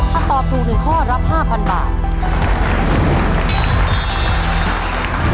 ถ้าตอบถูก๑ข้อรับ๕๐๐บาท